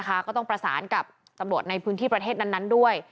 ก็ต้องประสานกับตำรวจในพื้นที่ประเทศนั้นด้วย